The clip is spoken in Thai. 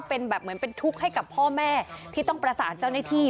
เป็นแบบเหมือนเป็นทุกข์ให้กับพ่อแม่ที่ต้องประสานเจ้าหน้าที่